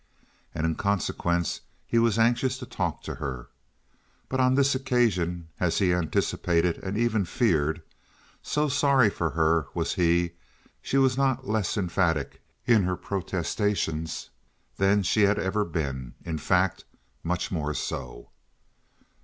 And in consequence, he was anxious to talk to her. But on this occasion, as he anticipated, and even feared, so sorry for her was he, she was not less emphatic in her protestations than she had ever been; in fact, much more so.